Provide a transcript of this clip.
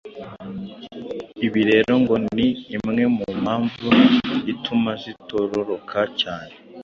Ibi rero ngo ni imwe mu mpamvu ituma zitororoka cyane